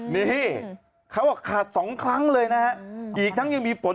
นี่เขาบอกขาดสองครั้งเลยนะฮะอีกทั้งยังมีฝน